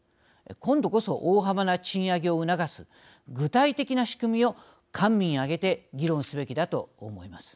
今度こそ大幅な賃上げを促す具体的な仕組みを官民挙げて議論すべきだと思います。